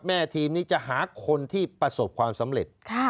แม่ทีมนี้จะหาคนที่ประสบความสำเร็จ